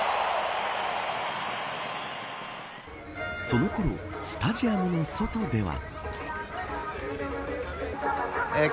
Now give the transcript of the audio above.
そのころスタジアムの外では。